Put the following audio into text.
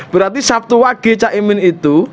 berarti sabtu wage cak imin itu